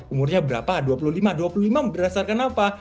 umurnya berapa dua puluh lima dua puluh lima berdasarkan apa